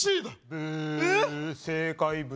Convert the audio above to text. ブー正解豚。